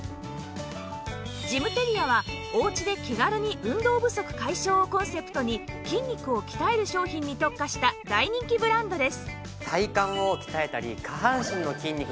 ジムテリアは「おうちで気軽に運動不足解消」をコンセプトに筋肉を鍛える商品に特化した大人気ブランドです